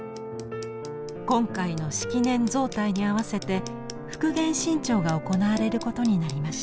今回の式年造替に合わせて復元新調が行われることになりました。